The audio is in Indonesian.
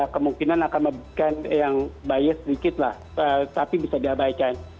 kemungkinan akan membahas bias sedikit tapi bisa diabaikan